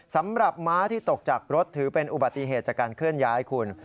ม้าที่ตกจากรถถือเป็นอุบัติเหตุจากการเคลื่อนย้ายคุณ